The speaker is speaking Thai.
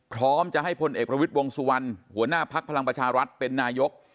พร้อมจะให้พลเอกประวิทย์วงสุวรรณหัวหน้าภักดิ์พลังประชารัฐเป็นนายก